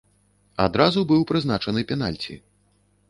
Адразу быў прызначаны пенальці.